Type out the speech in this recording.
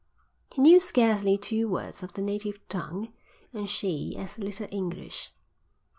He knew scarcely two words of the native tongue and she as little English.